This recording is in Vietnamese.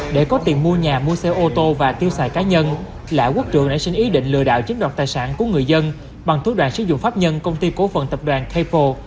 để có tiền mua nhà mua xe ô tô và tiêu xài cá nhân lã quốc trưởng đã xin ý định lừa đảo chiếm đoạt tài sản của người dân bằng thuốc đoàn sử dụng pháp nhân công ty cổ phần tập đoàn capo